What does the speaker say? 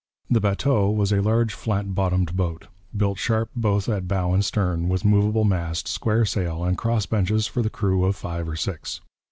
The bateau was a large flat bottomed boat, built sharp both at bow and stern, with movable mast, square sail, and cross benches for the crew of five or six.